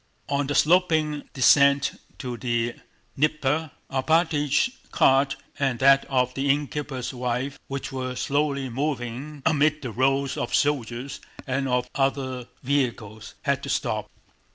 On the sloping descent to the Dnieper Alpátych's cart and that of the innkeeper's wife, which were slowly moving amid the rows of soldiers and of other vehicles, had to stop.